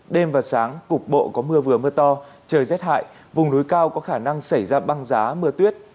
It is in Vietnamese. đêm và sáng cục bộ có mưa vừa mưa to trời rét hại vùng núi cao có khả năng xảy ra băng giá mưa tuyết